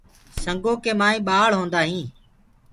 سنگو ڪي مآئينٚ ڀآݪ هوندآ هينٚ۔